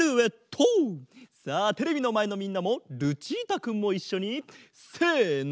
さあテレビのまえのみんなもルチータくんもいっしょにせの！